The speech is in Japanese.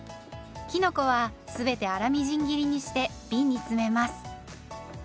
きのこは全て粗みじん切りにしてびんに詰めます。